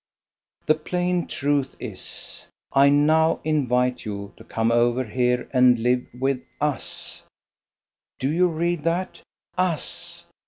The plain truth is, I now invite you to come over here and live with us. Do you read that? US.